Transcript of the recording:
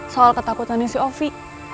soal ketakutannya si ovi